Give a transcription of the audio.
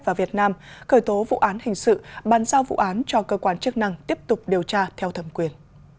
và việt nam cởi tố vụ án hình sự bàn giao vụ án cho cơ quan chức năng tiếp tục điều tra theo thẩm quyền